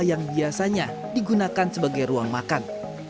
yang biasanya digunakan sebagai ruang makan